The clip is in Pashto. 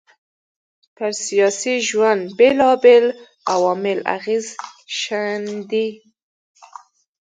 پر سياسي ژوند بېلابېل عوامل اغېز ښېندي